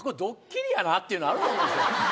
っていうのあると思うんですよ。